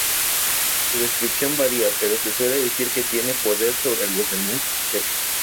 Su descripción varía, pero se suele decir que tiene poder sobre los demás Objetos.